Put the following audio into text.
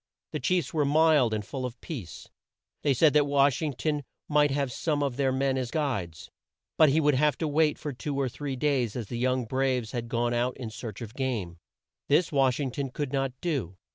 The chiefs were mild and full of peace. They said that Wash ing ton might have some of their men as guides, but he would have to wait for two or three days as the young braves had gone out in search of game. This Wash ing ton could not do.